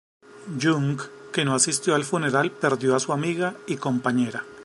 Jung, que no asistió al funeral, perdió a su amiga y compañera.